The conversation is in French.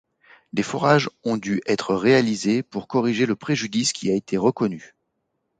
Des forages ont dû être réalisés pour corriger le préjudice qui a été reconnu.